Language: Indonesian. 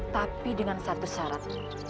tapi dengan satu syarat